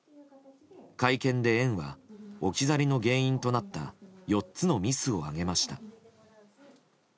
会見で園は置き去りの原因となった４つのミスを挙げました。